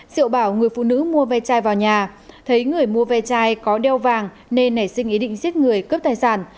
diệu bảo người phụ nữ mua ve chai vào nhà thấy người mua ve chai có đeo vàng nên nảy sinh ý định giết người cướp tài sản